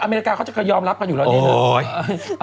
อเมริกาเขาก็ยอมรับกันอยู่แล้วอันนี้